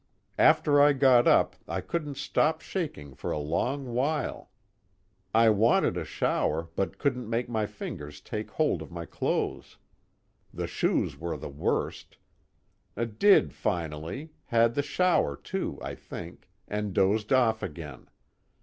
After I got up I couldn't stop shaking for a long while. I wanted a shower, but couldn't make my fingers take hold of my clothes. The shoes were the worst. Did finally, had the shower too I think, and dozed off again.